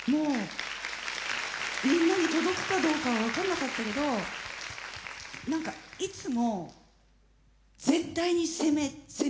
みんなに届くかどうかは分かんなかったけど何かいつも絶対に攻め攻めたい。